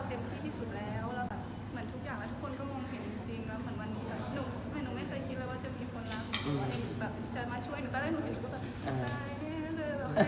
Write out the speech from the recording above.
ว่าเขาเป็นเราแบบนี้มันแบบ